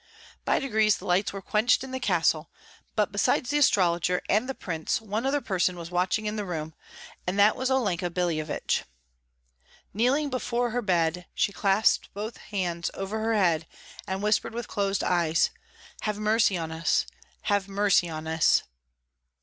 By degrees the lights were quenched in the castle; but besides the astrologer and the prince one other person was watching in a room, and that was Olenka Billevich. Kneeling before her bed, she clasped both hands over her head, and whispered with closed eyes, "Have mercy on us! Have mercy on us!"